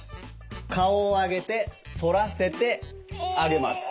顔をあげて反らせてあげます。